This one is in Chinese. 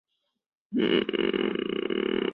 早年在电视动画的黎明时期投入动画业界。